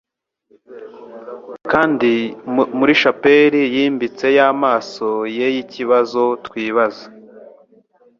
Muri shapeli yimbitse y'amaso yeikibazo twibaza